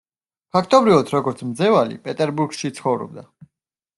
ფაქტობრივად როგორც მძევალი, პეტერბურგში ცხოვრობდა.